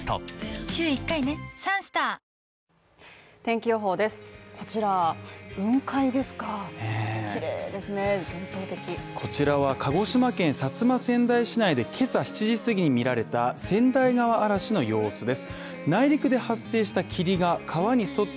綺麗ですね鹿児島県薩摩川内市内で今朝７時過ぎに見られた川内川嵐の様子です。